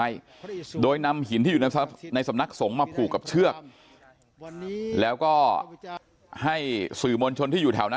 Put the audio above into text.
โดยนำหินที่อยู่ในสำนักสงฆ์มาผูกกับเชือกแล้วก็ให้สื่อมวลชนที่อยู่แถวนั้น